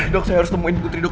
dok saya harus temuin putri dok